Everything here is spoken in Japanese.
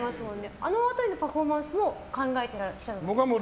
あのパフォーマンスも考えてらっしゃる？